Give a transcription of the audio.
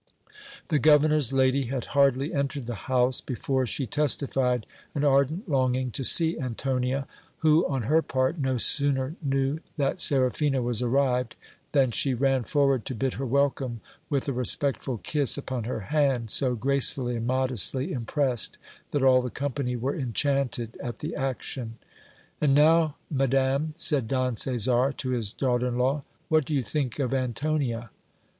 The governor's lady had hardly entered the house, before she testified an ar dent longing to see Antonia, who on her part no sooner knew that Seraphina was arrived, than she ran forward to bid her welcome, with a respectful kiss upon her hand, so gracefully and modestly impressed, that all the company were enchanted at the action. And now, madam ! said Don Caesar to his daughter in law, what do you think of Antonia